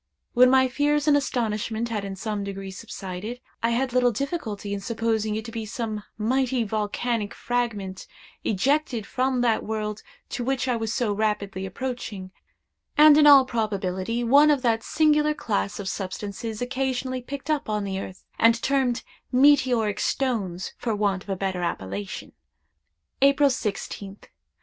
When my fears and astonishment had in some degree subsided, I had little difficulty in supposing it to be some mighty volcanic fragment ejected from that world to which I was so rapidly approaching, and, in all probability, one of that singular class of substances occasionally picked up on the earth, and termed meteoric stones for want of a better appellation. "April 16th.